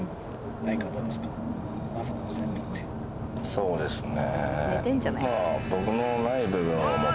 そうですね。